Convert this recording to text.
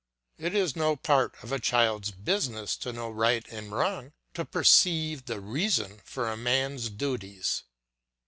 It is no part of a child's business to know right and wrong, to perceive the reason for a man's duties.